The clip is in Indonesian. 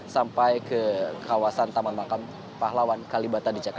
sampai ke kawasan taman makam palawan kalibata